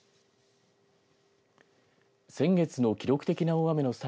先月の記録的な大雨の際